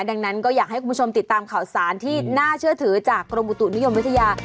ดังนั้นก็อยากให้คุณผู้ชมติดตามข่าวสารที่น่าเชื่อถือจากกรมอุตุนิยมวิทยา